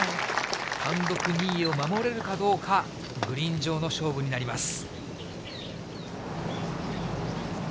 単独２位を守れるかどうか、グリーン上の勝負になります。